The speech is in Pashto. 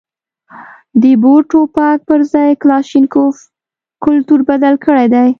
د بور ټوپک پر ځای کلاشینکوف کلتور بدل کړی دی.